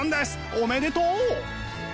おめでとう！